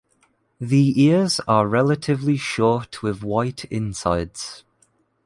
The ears are relatively short with white insides.